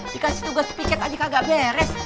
dikasih tugas piket aja kagak beres